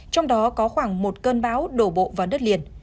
trong đó có khoảng một cơn bão đổ bộ vào đất liền